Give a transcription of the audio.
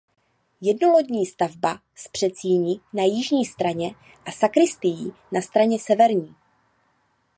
Jednolodní stavba s předsíní na jižní straně a sakristií na straně severní.